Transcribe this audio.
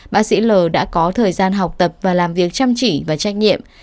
bác sĩ l đã có thời gian học tập và làm việc chăm chỉ và trách nhiệm